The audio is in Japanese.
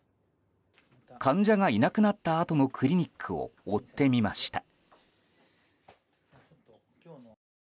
患者がいなくなったあとのクリニックを追ってみました。